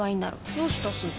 どうしたすず？